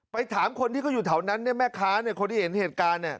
ถามคนที่เขาอยู่แถวนั้นเนี่ยแม่ค้าคนที่เห็นเหตุการณ์เนี่ย